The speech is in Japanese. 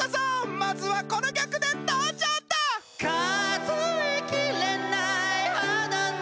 まずはこの曲で登場だ。ＯＫ！